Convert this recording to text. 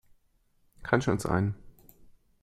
Kann schon sein.